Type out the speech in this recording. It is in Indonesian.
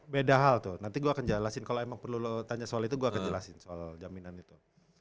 beda hal tuh nanti gue akan jelasin kalau emang perlu lo tanya soal itu gue akan jelasin soal jaminan itu